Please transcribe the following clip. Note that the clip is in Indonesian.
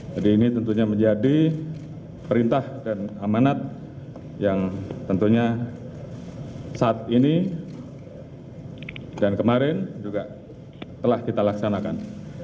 jadi ini tentunya menjadi perintah dan amanat yang tentunya saat ini dan kemarin juga telah kita laksanakan